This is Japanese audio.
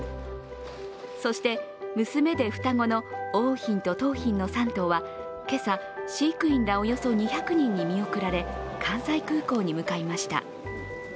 そして、娘で双子の桜浜と桃浜の３頭は今朝、飼育員らおよそ２００人に見送られ、関西空港に向かいました。